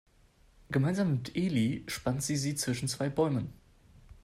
Gemeinsam mit Elli spannt sie sie zwischen zwei Bäumen.